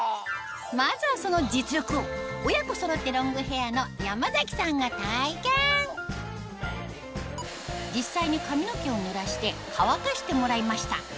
まずはその実力を親子そろってロングヘアの山崎さんが体験実際に髪の毛を濡らして乾かしてもらいました